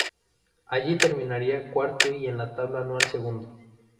Allí terminaría cuarto y en la Tabla Anual segundo.